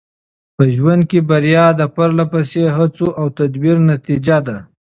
په ژوند کې بریا د پرله پسې هڅو او تدبیر نتیجه ده.